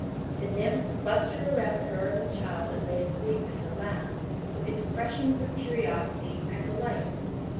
The nymphs clustered around her and the child that lay asleep in her lap, with expressions of curiosity and delight.